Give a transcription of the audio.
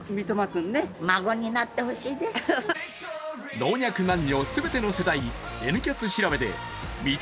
老若男女全ての世代「Ｎキャス」調べで三笘